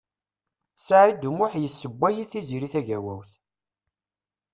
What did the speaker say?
Saɛid U Muḥ yessewway i Tiziri Tagawawt.